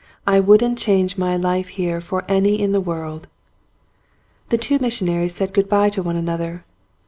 I wouldn't change my life here for any in the world." The two missionaries said good bye to one an other.